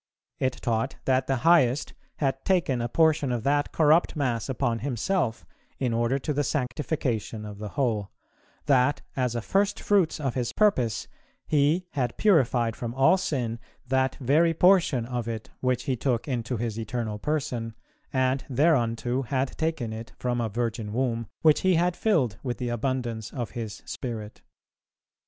It taught that the Highest had taken a portion of that corrupt mass upon Himself, in order to the sanctification of the whole; that, as a firstfruits of His purpose, He had purified from all sin that very portion of it which He took into His Eternal Person, and thereunto had taken it from a Virgin Womb, which He had filled with the abundance of His Spirit.